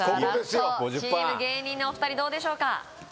チーム芸人のお二人どうでしょうか？